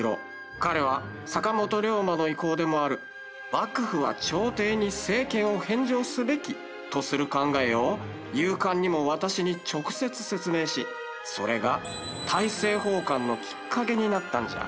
彼は坂本龍馬の意向でもある「幕府は朝廷に政権を返上すべき」とする考えを勇敢にも私に直接説明しそれが大政奉還のきっかけになったんじゃ。